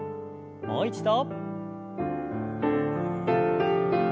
もう一度。